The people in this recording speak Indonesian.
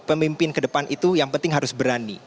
pemimpin ke depan itu yang penting harus berani